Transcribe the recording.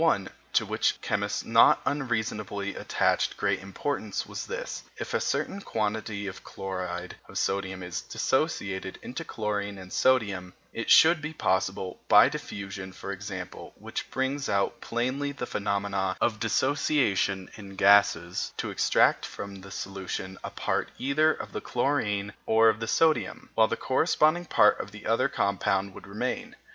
One, to which chemists not unreasonably attached great importance, was this: If a certain quantity of chloride of sodium is dissociated into chlorine and sodium, it should be possible, by diffusion, for example, which brings out plainly the phenomena of dissociation in gases, to extract from the solution a part either of the chlorine or of the sodium, while the corresponding part of the other compound would remain.